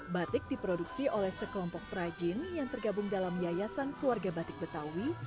batik diproduksi oleh sekelompok perajin yang tergabung dalam yayasan keluarga batik betawi